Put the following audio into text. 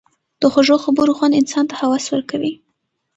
د خوږو خبرو خوند انسان ته هوس ورکوي.